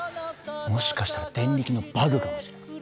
もしかしたらデンリキのバグかもしれない。